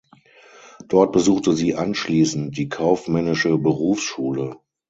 Dort besuchte sie anschliessend die Kaufmännische Berufsschule.